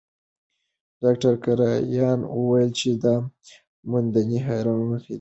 ډاکټر کرایان وویل چې دا موندنې حیرانوونکې دي.